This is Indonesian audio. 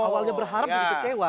awalnya berharap jadi kecewa